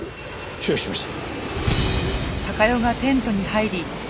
承知しました。